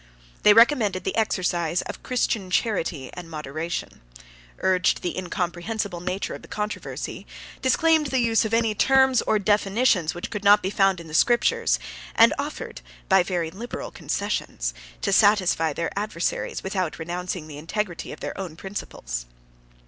They recommended the exercise of Christian charity and moderation; urged the incomprehensible nature of the controversy, disclaimed the use of any terms or definitions which could not be found in the Scriptures; and offered, by very liberal concessions, to satisfy their adversaries without renouncing the integrity of their own principles.